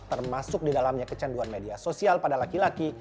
termasuk di dalamnya kecanduan media sosial pada laki laki